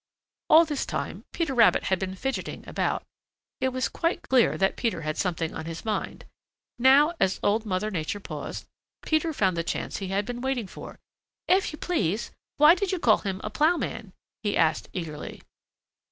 All this time Peter Rabbit had been fidgeting about. It was quite clear that Peter had something on his mind. Now as Old Mother Nature paused, Peter found the chance he had been waiting for. "If you please, why did you call him a plowman?" he asked eagerly.